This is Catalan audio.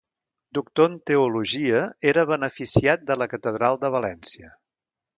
Doctor en Teologia, era beneficiat de la Catedral de València.